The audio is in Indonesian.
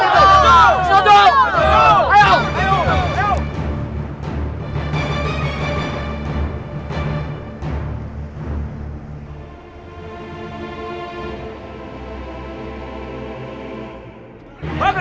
ibu itu memijak ibu